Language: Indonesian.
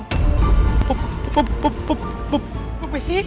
pup pup pup pup pup pup pup mesi